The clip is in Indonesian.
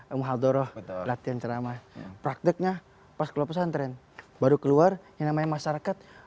ilmu haldoroh latihan ceramah prakteknya pas keluar pesantren baru keluar yang namanya masyarakat